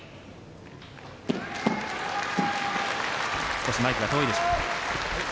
少しマイクが遠いでしょうか。